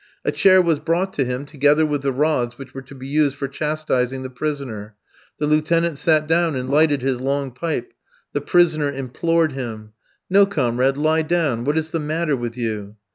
A chair was brought to him, together with the rods which were to be used for chastising the prisoner. The Lieutenant sat down and lighted his long pipe; the prisoner implored him. "No, comrade, lie down. What is the matter with you?"